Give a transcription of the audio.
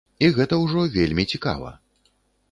І гэта ўжо вельмі цікава.